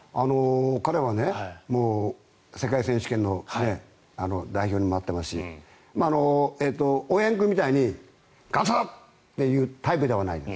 彼は世界選手権の代表にもなっていますし大八木君みたいに喝！というタイプじゃないんです。